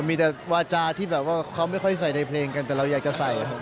มีแต่วาจาที่แบบว่าเขาไม่ค่อยใส่ในเพลงกันแต่เราอยากจะใส่